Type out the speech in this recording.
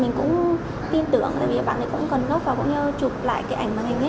mình cũng tin tưởng vì bạn ấy cũng cần góp vào cũng như chụp lại cái ảnh màn hình ấy